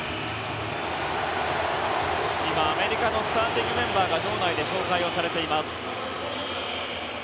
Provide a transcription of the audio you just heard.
今、アメリカのスターティングメンバーが場内で紹介をされています。